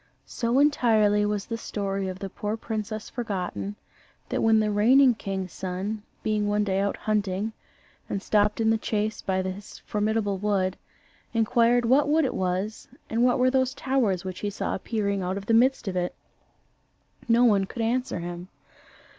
So entirely was the story of the poor princess forgotten, that when the reigning king's son, being one day out hunting and stopped in the chase by this formidable wood, inquired what wood it was and what were those towers which he saw appearing out of the midst of it, no one could answer him.